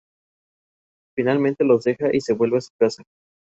La unión con Bonnet duró poco tiempo.